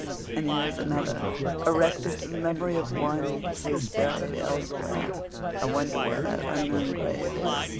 And here is another 'erected to the memory of one who is buried elsewhere.' I wonder where that unknown grave is.